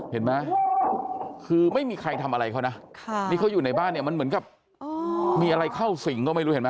เห็นไหมคือไม่มีใครทำอะไรเขานะนี่เขาอยู่ในบ้านเนี่ยมันเหมือนกับมีอะไรเข้าสิ่งก็ไม่รู้เห็นไหม